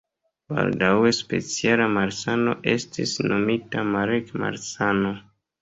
Baldaŭe speciala malsano estis nomita Marek-malsano.